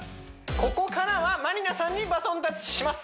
ここからはまりなさんにバトンタッチします